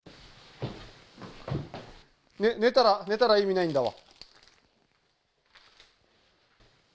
寝たら意味ないんだわ。